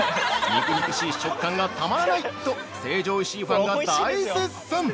「肉肉しい食感がたまらない！」と成城石井ファンが大絶賛！